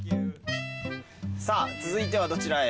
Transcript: さあ続いてはどちらへ。